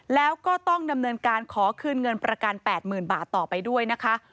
แล้วก็ต้องดำเนินการขอคืนเงินประกัน๘๐๐๐บาทต่อไปด้วยนะคะ